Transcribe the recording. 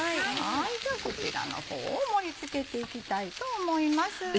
じゃあこちらの方を盛り付けていきたいと思います。